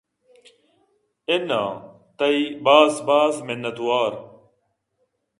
اِنّاں تئی باز باز مِنتّوار